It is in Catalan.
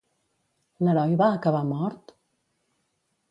L'heroi va acabar mort?